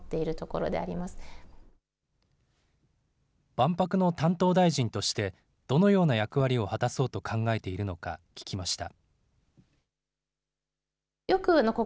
万博の担当大臣として、どのような役割を果たそうと考えているのか、聞きました。